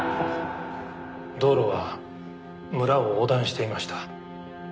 道路は村を横断していました。